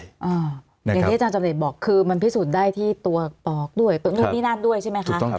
อย่างที่อาจารย์จำเรจบอกคือมันพิสูจน์ได้ที่ตัวปอกด้วยตัวนู่นนี่นั่นด้วยใช่ไหมคะ